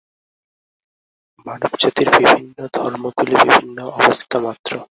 মানবজাতির বিভিন্ন ধর্মগুলি বিভিন্ন অবস্থা মাত্র।